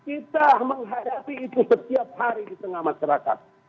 ingat baik baik belum selesai